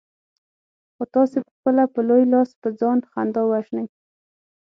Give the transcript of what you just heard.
خو تاسې پخپله په لوی لاس په ځان خندا وژنئ.